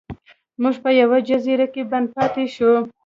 موږ په یوه جزیره کې بند پاتې شو.